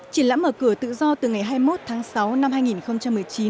triển lãm mở cửa tự do từ ngày hai mươi một tháng sáu năm hai nghìn một mươi chín